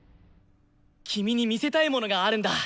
君に見せたいものがあるんだ！